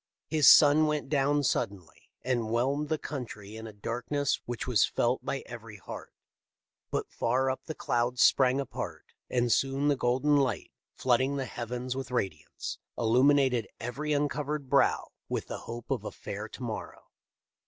His sun went down suddenly, and whelmed the country in a darkness which was felt by every heart ; but far up the clouds sprang apart, and soon the golden light, flooding the heavens with radiance, illuminated every uncovered brow with the hope of a fair to morrow.